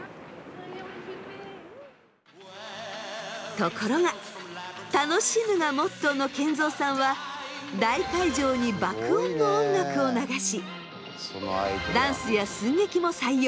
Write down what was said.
ところが楽しむがモットーの賢三さんは大会場に爆音の音楽を流しダンスや寸劇も採用。